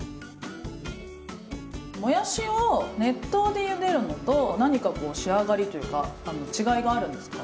もやしを熱湯でゆでるのと何かこう仕上がりというか違いがあるんですか？